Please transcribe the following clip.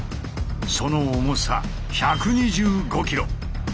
その重さ１２５ｋｇ。